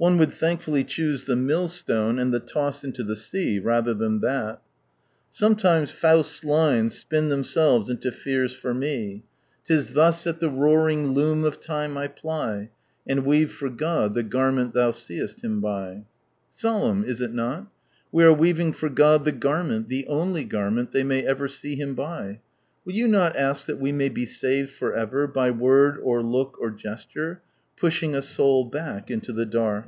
One would thankfully choose the millstone, and the toss into the sea, rather than that. Sometimes Faust's lines spin themselves into fears for me —*Tis thus at the roaring loom of Time I ply, And weave for God the garment thou seest Him by.'* Solemn, is it not ? We are weaving for God the garment, the only garment^ they may ever see Him by. Will you not ask that we may be saved from ever, by word or look or gesture, pushing a soul back into the dark